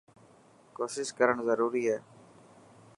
ڪوشش ڪرڻ ضروري هي.